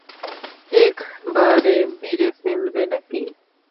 একবারে মেরে ফেলবে নাকি?